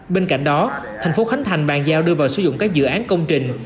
bên cạnh đó thành phố khánh thành bàn giao đưa vào sử dụng các dự án công trình